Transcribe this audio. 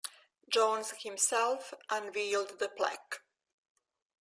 Jones himself unveiled the plaque.